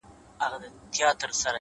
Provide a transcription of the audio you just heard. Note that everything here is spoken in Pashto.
• چي زه دي ساندي اورېدلای نه سم ,